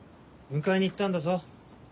迎えに行ったんだぞ。